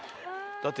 だって。